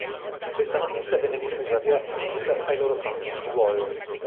Questa notizia venne diffusa via email ai loro fans, i Warriors.